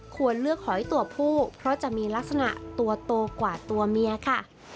ควรเลือกหอยตัวผู้เพราะจะมีลักษณะตัวโตกว่าตัวเมียค่ะ